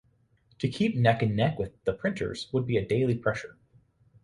To keep neck and neck with the printers would be a daily pressure.